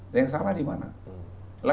yang salah di mana